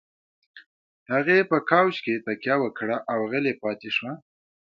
هغې په کاوچ کې تکيه وکړه او غلې پاتې شوه.